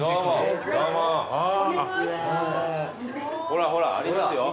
ほらほらありますよ。